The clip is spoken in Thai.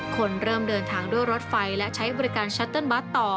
คนเริ่มเดินทางด้วยรถไฟและใช้บริการชัตเติ้ลบัสต่อ